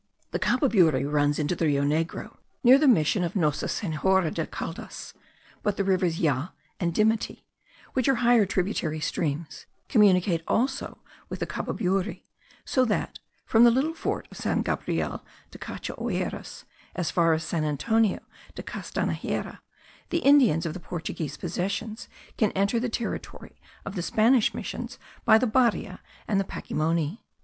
The Cababuri runs into the Rio Negro near the mission of Nossa Senhora das Caldas; but the rivers Ya and Dimity, which are higher tributary streams, communicate also with the Cababuri; so that, from the little fort of San Gabriel de Cachoeiras as far as San Antonio de Castanheira the Indians of the Portuguese possessions can enter the territory of the Spanish missions by the Baria and the Pacimoni.